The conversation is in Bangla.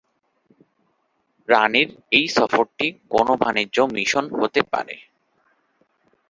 রানীর এই সফরটি কোনও বাণিজ্য মিশন হতে পারে।